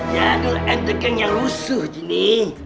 jagel and the gang yang rusuh juni